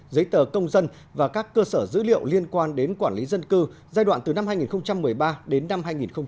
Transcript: giấy tờ công dân và các cơ sở dữ liệu liên quan đến quản lý dân cư giai đoạn từ năm hai nghìn một mươi ba đến năm hai nghìn một mươi bảy